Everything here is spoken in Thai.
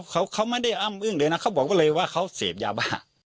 เขาไม่ได้อ้ำอึ้งเลยนะเขาบอกเขาเลยว่าเขาเสพยาบ้า